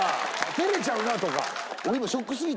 照れちゃうなとか。